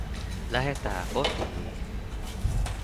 Lähetää kotii!"